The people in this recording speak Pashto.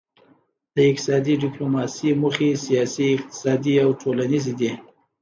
د اقتصادي ډیپلوماسي موخې سیاسي اقتصادي او ټولنیزې دي